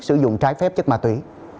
sử dụng trái phép chất ma túy